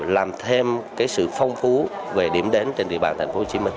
làm thêm cái sự phong phú về điểm đến trên địa bàn thành phố hồ chí minh